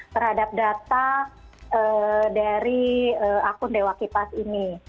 terhadap data dari akun dewa kipas ini